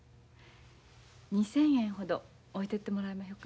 ２千円ほど置いてってもらいまひょか。